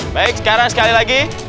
baik sekarang sekali lagi